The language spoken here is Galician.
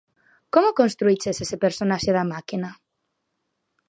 Como construíches ese personaxe da Máquina?